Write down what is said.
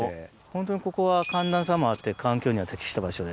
ホントにここは寒暖差もあって環境には適した場所で。